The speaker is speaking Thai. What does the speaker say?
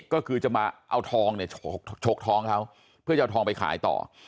ก็คือจะมาเอาทองเนี่ยชกท้องเขาเพื่อจะเอาทองไปขายต่อ